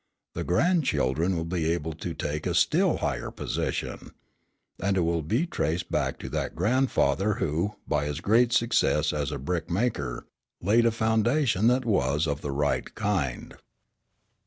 The grandchildren will be able to take a still higher position. And it will be traced back to that grandfather who, by his great success as a brick maker, laid a foundation that was of the right kind.